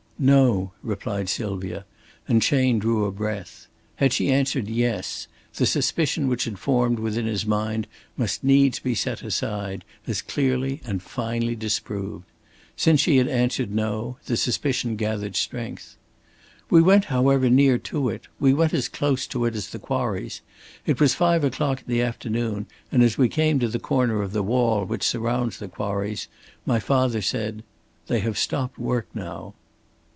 "No," replied Sylvia, and Chayne drew a breath. Had she answered "Yes," the suspicion which had formed within his mind must needs be set aside, as clearly and finally disproved. Since she answered "No," the suspicion gathered strength. "We went, however, near to it. We went as close to it as the quarries. It was five o'clock in the afternoon, and as we came to the corner of the wall which surrounds the quarries, my father said, 'They have stopped work now.'"